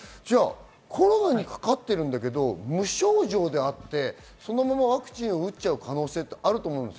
コロナにかかってるけど無症状であって、そのままワクチンを打っちゃう可能性ってあると思います。